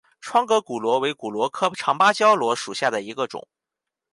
窗格骨螺为骨螺科长芭蕉螺属下的一个种。